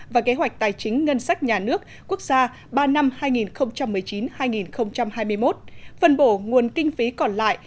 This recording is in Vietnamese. và kế hoạch tài chính ngân sách nhà nước quốc gia ba năm hai nghìn một mươi chín hai nghìn hai mươi một phân bổ nguồn kinh phí còn lại